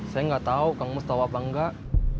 saya gak tahu kamu setahu apa enggak